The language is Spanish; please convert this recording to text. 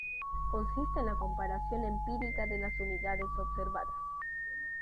Consiste en la comparación empírica de las unidades observadas.